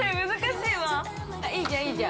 ◆いいじゃんいいじゃん。